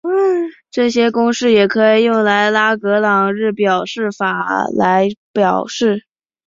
这些公式也可以用拉格朗日表示法来表示。